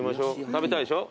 食べたいでしょ？